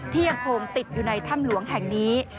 ยังคงติดอยู่ในถ้ำหลวงแห่งนี้